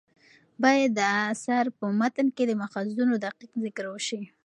باید د اثر په متن کې د ماخذونو دقیق ذکر وشي.